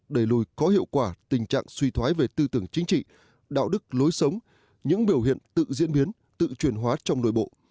đẩy lùi có hiệu quả tình trạng suy thoái về tư tưởng chính trị đạo đức lối sống những biểu hiện tự diễn biến tự truyền hóa trong nội bộ